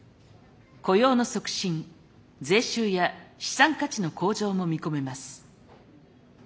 雇用の促進税収や資産価値の向上も見込めます。